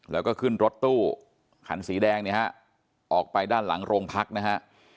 แล้วก็ขึ้นรถตู้คันสีแดงเนี่ยฮะออกไปด้านหลังโรงพักนะฮะ